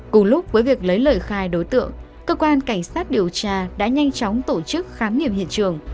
cùng lúc với việc lấy lời khai đối tượng cơ quan cảnh sát điều tra đã nhanh chóng tổ chức khám nghiệm hiện trường